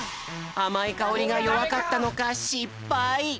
あまいかおりがよわかったのか